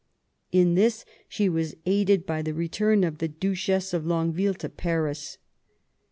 In this she was aided by the return of the Duchess of Longueville to Paris.